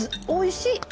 おいしい！